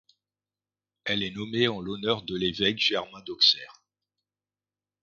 Elle est nommée en l'honneur de l'évêque Germain d'Auxerre.